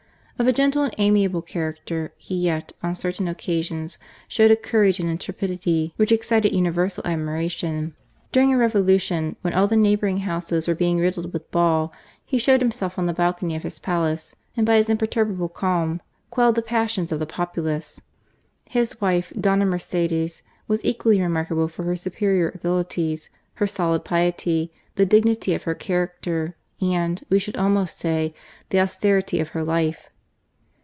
Of a gentle and amiable character, he yet, on certain occasions, showed a courage and intrepidity which excited universal admiration. During a revolution, when all the neighbouring houses were being riddled with ball, he showed himself on the balcony of his palace, and by his imperturbable calm quelled the passions of the populace. His wife, Dofta Mercedes, was equally remarkable for her superior abilities, her sohd piety, the dignity of her character, and, we should almost say, the austerity of her life.